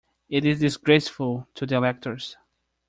It is disgraceful to the electors.